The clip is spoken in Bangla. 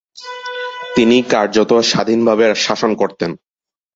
তিনি কার্যত স্বাধীনভাবে শাসন করতেন।